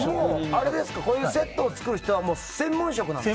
こういうセットを作る人は専門職なんですか？